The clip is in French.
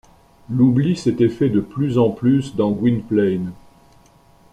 L’oubli s’était fait de plus en plus dans Gwynplaine.